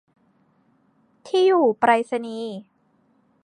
ที่อยู่ไปรษณีย์